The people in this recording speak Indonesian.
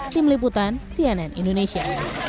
tim liputan cnn indonesia